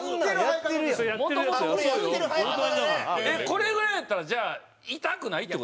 これぐらいやったらじゃあ痛くないって事？